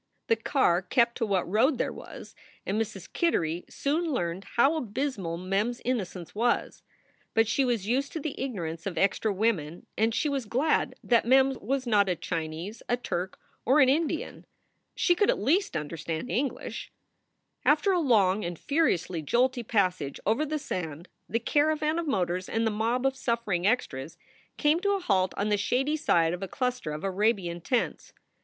The car kept to what road there was, and Mrs. Kittery soon learned how abysmal Mem s innocence was. But she was used to the ignorance of extra women and she was glad that Mem was not a Chinese, a Turk, or an Indian. She could at least understand English. After a long and furiously jolty passage over the sand the caravan of motors and the mob of suffering extras came to a halt on the shady side of a cluster of Arabian tents. Mrs.